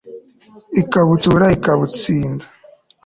Ikabutsura ikabutsinda